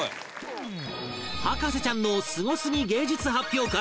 博士ちゃんのスゴすぎ芸術発表会